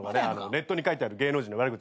ネットに書いてある芸能人の悪口。